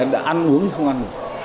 đã ăn uống thì không ăn